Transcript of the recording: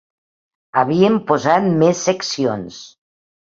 Havien posat més seccions